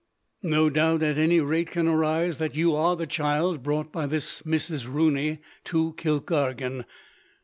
"No doubt, at any rate, can arise that you are the child brought by this Mrs. Rooney to Kilkargan.